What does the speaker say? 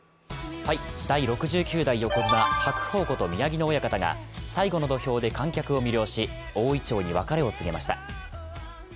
第６９代横綱・白鵬こと宮城野親方が最後の土俵で観客を魅了し大銀杏に別れを告げました。